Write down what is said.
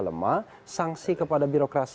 lemah sanksi kepada birokrasi